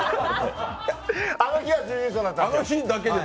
あの日は準優勝だったんですよ。